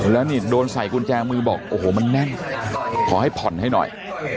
แล้วนี่โดนใส่กุญแจมือบอกโอ้โหมันแน่นขอให้ผ่อนให้หน่อย